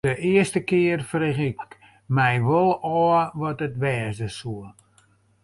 De earste kear frege ik my wol ôf wat it wêze soe.